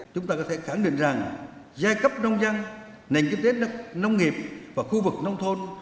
chúng ta có thể khẳng định rằng giai cấp nông dân nền kinh tế nông nghiệp và khu vực nông thôn